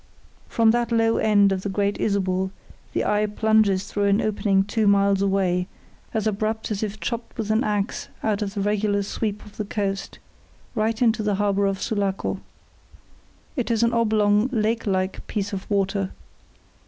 From that low end of the Great Isabel the eye plunges through an opening two miles away, as abrupt as if chopped with an axe out of the regular sweep of the coast, right into the harbour of Sulaco. It is an oblong, lake like piece of water.